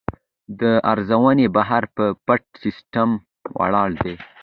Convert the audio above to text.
د ارزونې بهیر په پټ سیستم ولاړ دی.